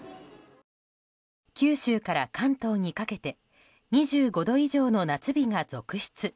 九州から関東にかけて２５度以上の夏日が続出。